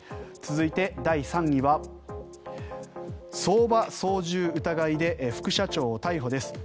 続いて、第３位は相場操縦疑いで副社長逮捕です。